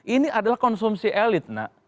ini adalah konsumsi elit nak